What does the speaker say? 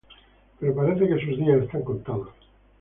Pero parece que sus días están contados.